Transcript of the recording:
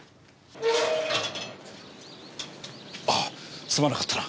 あぁすまなかったな。